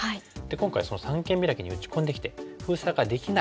今回その三間ビラキに打ち込んできて封鎖ができない。